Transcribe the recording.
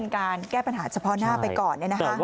แก้ปัญหาเฉพาะหน้าไปก่อนนะครับ